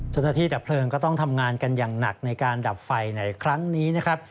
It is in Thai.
เจ้าหน้าที่ดับเพลิงก็ต้องทำงานกันอย่างหนักในการดับไฟในครั้งนี้นะครับ